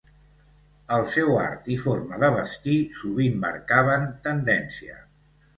El seu art i forma de vestir sovint marcaven tendència.